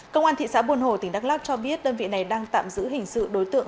công an thị xã buôn hồ tỉnh đắk lắc cho biết đơn vị này đang tạm giữ hình sự đối tượng